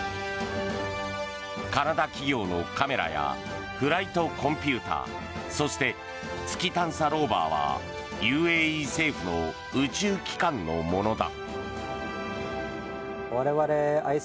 カナダ企業のカメラやフライトコンピューターそして、月探査ローバーはＵＡＥ政府の宇宙機関のものだ。